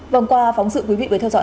vâng qua phóng sự quý vị về theo dõi